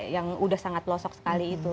yang udah sangat pelosok sekali itu